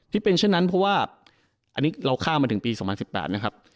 ที่เป็นเช่นนั้นเพราะว่าอันนี้เราข้ามมาถึงปี๒๐๑๘นะครับ